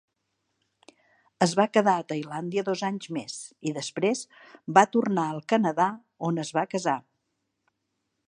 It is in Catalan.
Es va quedar a Tailàndia dos anys més i després va tornar al Canadà, on es va casar.